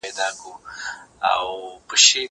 که وخت وي، امادګي نيسم!؟